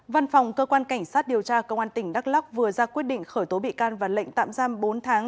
văn phòng cơ quan cảnh sát điều tra công an tỉnh đắk lóc vừa ra quyết định khởi tố bị can và lệnh tạm giam bốn tháng